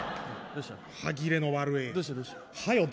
歯切れの悪い。